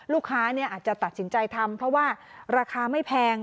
อาจจะตัดสินใจทำเพราะว่าราคาไม่แพง